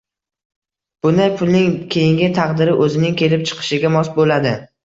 bunday pulning keyingi taqdiri o‘zining kelib chiqishiga mos bo‘ladi